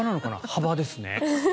幅ですね。